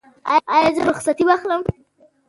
ایا زه باید رخصتي واخلم؟